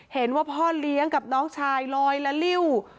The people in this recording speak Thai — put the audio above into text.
เห็นว่าพ่อเลี้ยงกับน้องชายลอยละลิ้ว